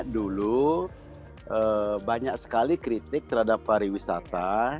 dulu banyak sekali kritik terhadap pariwisata